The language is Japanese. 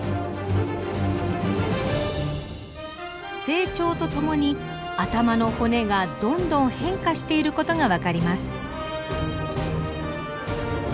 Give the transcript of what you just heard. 成長とともに頭の骨がどんどん変化していることが分かります。